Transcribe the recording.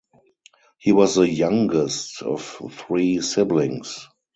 He was the youngest of three siblings.